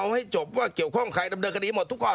ดีฉันแหละอยากให้เร็วอยู่แล้วละ